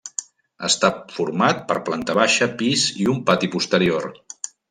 Està format per planta baixa, pis i un pati posterior.